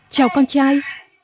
chào con trai